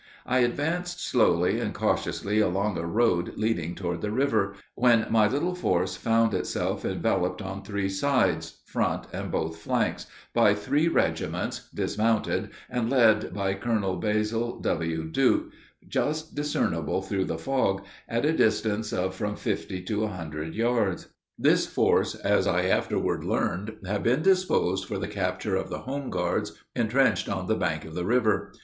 I advanced slowly and cautiously along a road leading toward the river, ... when my little force found itself enveloped on three sides front and both flanks by three regiments, dismounted, and led by Colonel Basil [W.] Duke, just discernible through the fog, at a distance of from fifty to a hundred yards. This force, as I afterward learned, had been disposed for the capture of the home guards, intrenched on the bank of the river.